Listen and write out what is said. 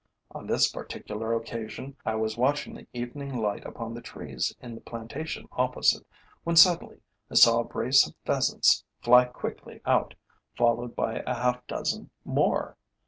On this particular occasion I was watching the evening light upon the trees in the plantation opposite, when suddenly I saw a brace of pheasants fly quickly out, followed by half a dozen more.